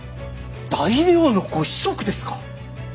大名のご子息ですか。